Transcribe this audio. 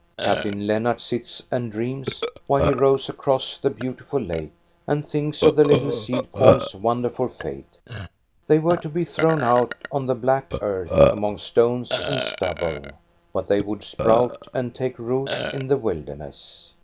Captain Lennart sits and dreams, while he rows across the beautiful lake, and thinks of the little seed corns' wonderful fate. They were to be thrown out on the black earth among stones and stubble, but they would sprout and take root in the wilderness.